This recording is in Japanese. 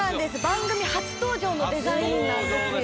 番組初登場のデザインなんですよ。